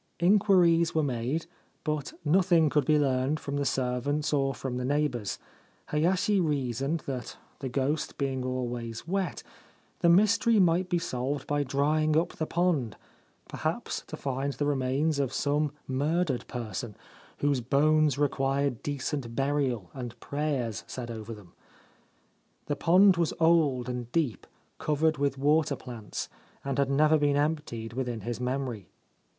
Inquiries were made ; but nothing could be learned from the servants or from the neighbours. Hayashi reasoned that, the ghost being always wet, the mystery might be solved by drying up the pond — perhaps to find the remains of some murdered person, whose bones re quired decent burial and prayers said over them. The pond was old and deep, covered with water plants, and had never been emptied within his memory.